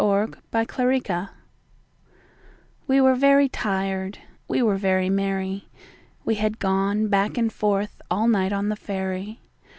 Recuerdo WE WERE very tired, we were very merry We had gone back and forth all night on the ferry.